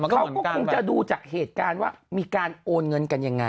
เขาก็คงจะดูจากเหตุการณ์ว่ามีการโอนเงินกันยังไง